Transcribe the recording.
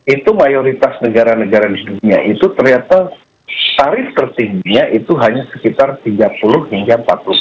itu mayoritas negara negara di dunia itu ternyata tarif tertingginya itu hanya sekitar tiga puluh hingga empat puluh